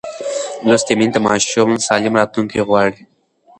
لوستې میندې د ماشوم سالم راتلونکی غواړي.